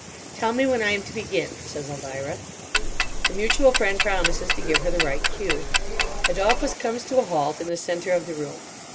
"Tell me when I am to begin," says Elvira. The mutual friend promises to give her the right cue. Adolphus comes to a halt in the centre of the room.